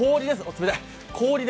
冷たい。